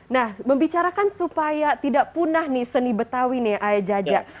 nah membicarakan supaya tidak punah nih seni betawi nih ayah jaja